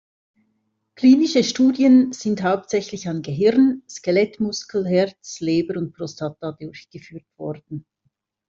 Klinische Studien sind hauptsächlich an Gehirn, Skelettmuskel, Herz, Leber und Prostata durchgeführt worden.